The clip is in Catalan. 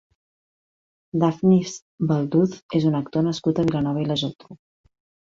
Dafnis Balduz és un actor nascut a Vilanova i la Geltrú.